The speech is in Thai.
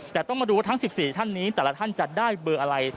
แต่ต้องมาดูว่าทั้ง๑๔ท่านนี้แต่ละท่านจะได้เบอร์อะไร